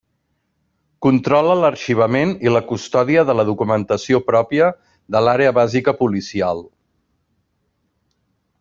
Controla l'arxivament i la custòdia de la documentació pròpia de l'Àrea Bàsica Policial.